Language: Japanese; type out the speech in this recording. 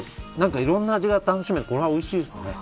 いろんな味が楽しめておいしいですね。